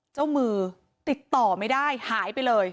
เจ้ามือติดต่อไม่ได้หายไปเลย